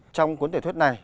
trong cuốn tiểu thuyết này